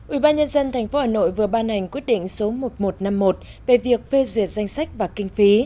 ủy ban nhân dân thành phố hà nội vừa ban hành quyết định số một nghìn một trăm năm mươi một về việc phê duyệt danh sách và kinh phí